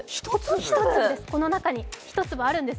この中に１粒あるんです。